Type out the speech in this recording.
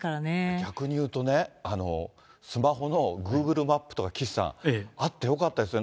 逆に言うとね、スマホのグーグルマップとか、岸さん、あってよかったですね。